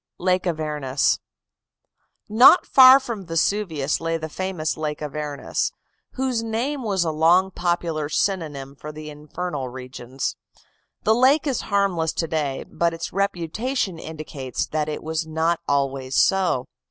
LAKE AVERNUS Not far from Vesuvius lay the famous Lake Avernus, whose name was long a popular synonym for the infernal regions. The lake is harmless to day, but its reputation indicates that it was not always so.